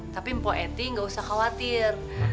tapi mpo ething nggak usah khawatir